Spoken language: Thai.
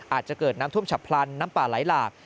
อาจจะเกิดน้ำท่วมฉับพลันน้ำป่าไหลหลาก